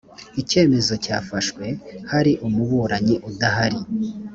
icyemezo cyafashwe hari umuburanyi udahari